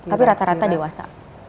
tapi rata rata dewasa